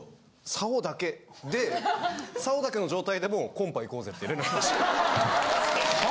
サオだけでサオだけの状態でも「コンパ行こうぜ」って連絡きました。